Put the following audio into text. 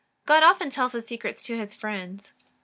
God often tells His secrets to His friends.